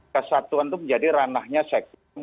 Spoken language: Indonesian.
kesatuan itu menjadi ranahnya sekjen